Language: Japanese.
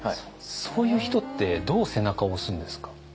そういう人ってどう背中を押すんですか？